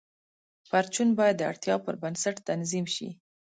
پرچون باید د اړتیا پر بنسټ تنظیم شي.